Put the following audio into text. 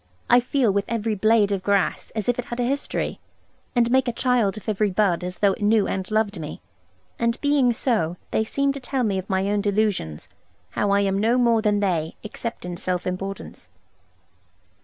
I feel with every blade of grass, as if it had a history; and make a child of every bud as though it knew and loved me. And being so, they seem to tell me of my own delusions, how I am no more than they, except in self importance.